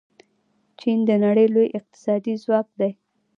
چین د نړۍ لوی اقتصادي ځواک دی.